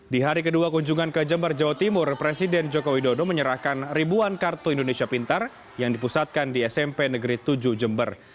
di hari kedua kunjungan ke jember jawa timur presiden joko widodo menyerahkan ribuan kartu indonesia pintar yang dipusatkan di smp negeri tujuh jember